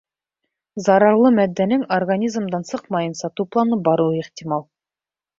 Зарарлы матдәнең организмдан сыҡмайынса тупланып барыуы ихтимал.